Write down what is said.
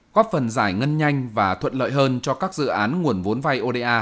góp phần giải ngân nhanh và thuận lợi hơn cho các dự án nguồn vốn vay oda